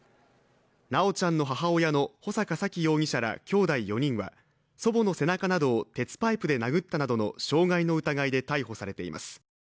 修ちゃんの母親の穂坂沙喜容疑者らきょうだい４人は祖母の背中などを鉄パイプで殴ったなどの傷害の疑いで逮捕されています。